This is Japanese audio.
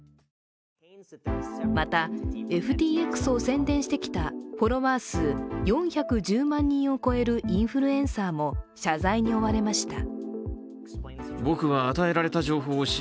また、ＦＴＸを宣伝してきたフォロワー数４１０万人を超えるインフルエンサーも謝罪に追われました。